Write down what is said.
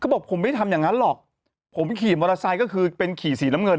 บอกผมไม่ทำอย่างนั้นหรอกผมขี่มอเตอร์ไซค์ก็คือเป็นขี่สีน้ำเงิน